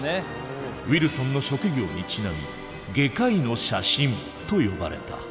ウィルソンの職業にちなみ「外科医の写真」と呼ばれた。